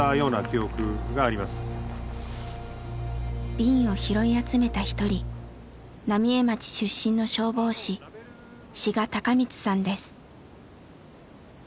瓶を拾い集めた一人浪江町出身の消防士志賀隆充さんです。